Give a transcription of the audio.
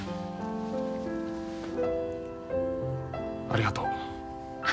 ありがとう。